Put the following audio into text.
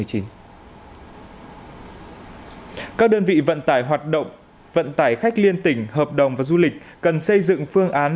các đơn vị vận tải hoạt động vận tải khách liên tỉnh hợp đồng và du lịch cần xây dựng phương án